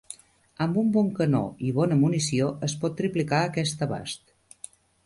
Amb un bon canó i bona munició es pot triplicar aquest abast.